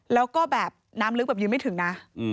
แล้วก็แบบน้ำลึกแบบยืนไม่ถึงนะ